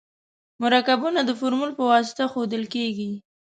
مرکبونه د فورمول په واسطه ښودل کیږي.